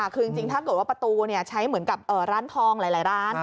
คือจริงถ้าเกิดว่าประตูใช้เหมือนกับร้านทองหลายร้าน